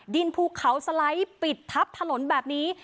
ดินพูเขาสลัยปิดทับถนนแบบนี้